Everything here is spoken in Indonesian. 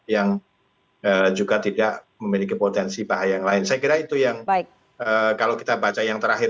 yang juga tidak memiliki potensi bahaya yang lain saya kira itu yang baik kalau kita baca yang terakhir